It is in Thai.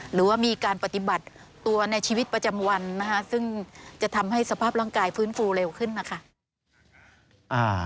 หรือว่ามีการปฏิบัติตัวในชีวิตประจำวันนะคะซึ่งจะทำให้สภาพร่างกายฟื้นฟูเร็วขึ้นนะคะ